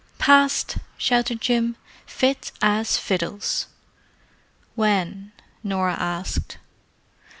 "Passed!" shouted Jim. "Fit as fiddles!" "When?" Norah asked.